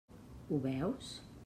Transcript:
Ho veus?